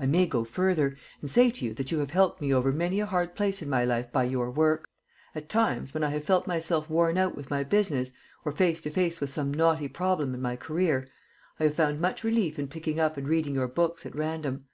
I may go further, and say to you that you have helped me over many a hard place in my life by your work. At times when I have felt myself worn out with my business, or face to face with some knotty problem in my career, I have found much relief in picking up and reading your books at random.